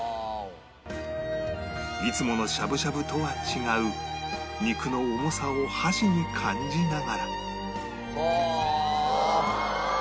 いつものしゃぶしゃぶとは違う肉の重さを箸に感じながらはあ！